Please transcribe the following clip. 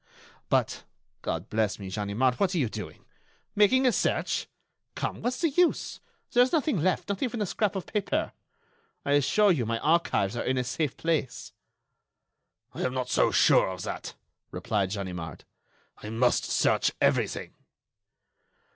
But, God bless me, Ganimard, what are you doing? Making a search? Come, what's the use? There is nothing left—not even a scrap of paper. I assure you my archives are in a safe place." "I am not so sure of that," replied Ganimard. "I must search everything."